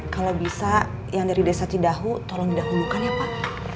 kalau bisa yang dari desa cidahu tolong didahulukan ya pak